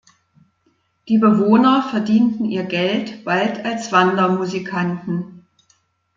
Die Bewohner verdienten ihr Geld bald als Wandermusikanten.